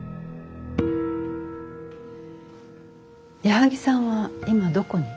矢作さんは今どこに？